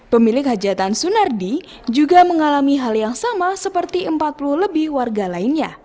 pemilik hajatan sunardi juga mengalami hal yang sama seperti empat puluh lebih warga lainnya